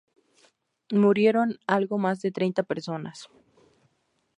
Murieron algo más de treinta personas.